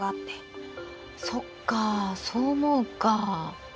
そっかそう思うか。